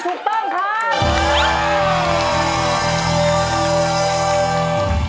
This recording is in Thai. ถูกต้องค่ะ